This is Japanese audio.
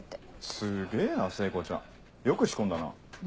すげぇな聖子ちゃんよく仕込んだな。